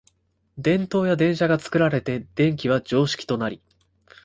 電燈や電車が作られて電気は常識となり、